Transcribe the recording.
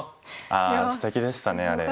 ああすてきでしたねあれ。